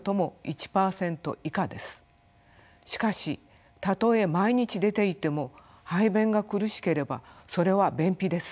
しかしたとえ毎日出ていても排便が苦しければそれは便秘です。